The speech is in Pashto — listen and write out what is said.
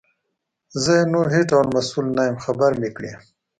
زه یې نور هیڅ ډول مسؤل نه یم خبر مي کړې.